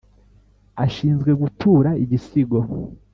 ashinzwe gutura igisigo)